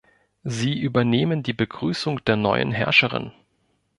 Sie übernehmen die Begrüßung der neuen Herrscherin.